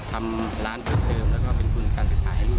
ทำร้านเพิ่มเติมแล้วก็เป็นทุนการศึกษาให้ลูก